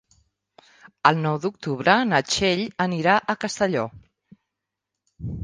El nou d'octubre na Txell anirà a Castelló.